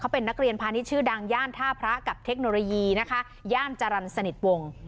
เป็นนักเรียนพาณิชย์ชื่อดังย่านท่าพระกับเทคโนโลยีนะคะย่านจรรย์สนิทวงศ์